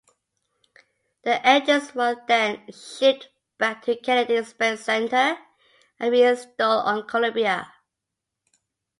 The engines were then shipped back to Kennedy Space Center and reinstalled on Columbia.